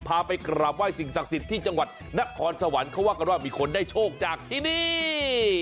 ไปกราบไห้สิ่งศักดิ์สิทธิ์ที่จังหวัดนครสวรรค์เขาว่ากันว่ามีคนได้โชคจากที่นี่